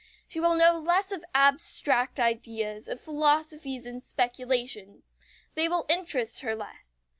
She will know less of abstract ideas, of philosophies and speculations. They will interest her less.